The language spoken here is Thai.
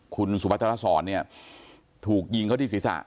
คุณสุพัทรสรเนี่ยถูกยิงเขาที่ศีรษะ